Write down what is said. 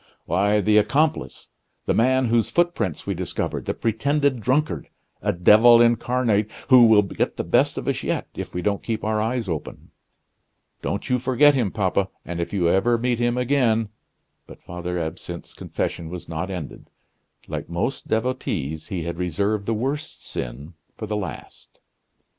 "Why, the accomplice the man whose footprints we discovered the pretended drunkard a devil incarnate, who will get the best of us yet, if we don't keep our eyes open. Don't you forget him, papa; and if you ever meet him again " But Father Absinthe's confession was not ended. Like most devotees, he had reserved the worst sin for the last.